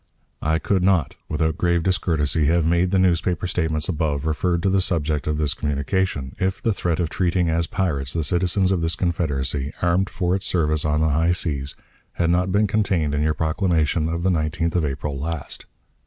"I could not, without grave discourtesy, have made the newspaper statements above referred to the subject of this communication, if the threat of treating as pirates the citizens of this Confederacy, armed for its service on the high seas, had not been contained in your proclamation of the 19th of April last.